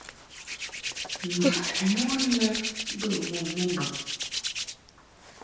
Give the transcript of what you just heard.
Njɨʼ mon lɛ bə mo mɨmbaŋ.